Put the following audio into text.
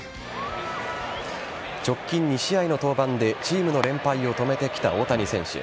直近２試合の登板でチームの連敗を止めてきた大谷選手。